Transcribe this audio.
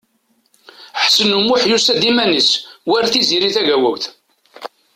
Ḥsen U Muḥ yusa-d iman-is, war Tiziri Tagawawt.